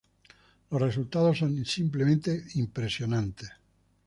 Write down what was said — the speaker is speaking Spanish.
Los resultados son simplemente impresionantes.